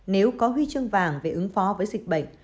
nếu có huy chương vàng về ứng phó với dịch bệnh